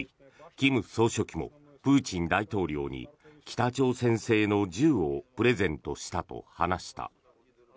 金総書記もプーチン大統領に北朝鮮製の銃をプレゼントしたと話した。